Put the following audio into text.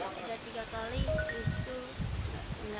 nah ngancar pakai beca juga